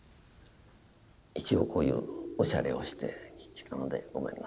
一応こういうおしゃれをしてきたのでごめんなさい。